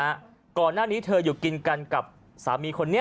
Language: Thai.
ก่อนหน้านี้เธออยู่กินกันกับสามีคนนี้